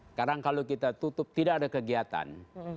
sekarang kalau kita tutup tidak ada kegiatan